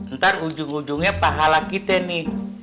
ntar ujung ujungnya pahala kita nih